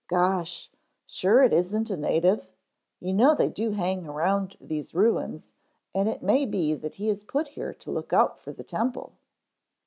"Gosh sure it isn't a native you know they do hang around these ruins and it may be that he is put here to look out for the temple."